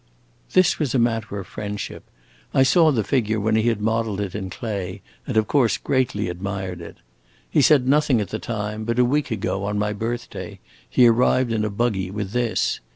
"This was a matter of friendship. I saw the figure when he had modeled it in clay, and of course greatly admired it. He said nothing at the time, but a week ago, on my birthday, he arrived in a buggy, with this.